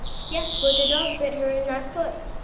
Yes, for the dog bit her in that foot.